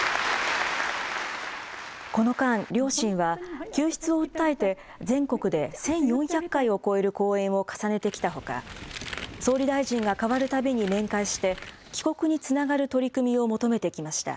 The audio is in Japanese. この間、両親は救出を訴えて、全国で１４００回を超える講演を重ねてきたほか、総理大臣が代わるたびに面会して、帰国につながる取り組みを求めてきました。